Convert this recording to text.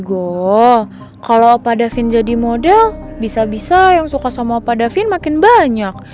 aigoo kalau apa davin jadi model bisa bisa yang suka sama apa davin makin banyak